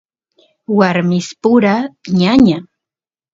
warmispura ñaña